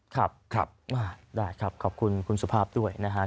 ครับครับได้ครับขอบคุณคุณสุภาพด้วยนะฮะ